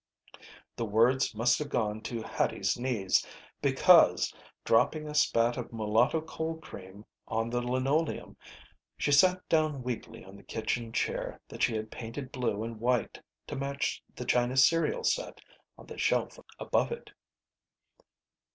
The words must have gone to Hattie's knees, because, dropping a spat of mulatto cold cream on the linoleum, she sat down weakly on the kitchen chair that she had painted blue and white to match the china cereal set on the shelf above it.